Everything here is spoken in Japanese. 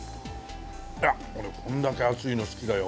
俺こんだけ熱いの好きだよ。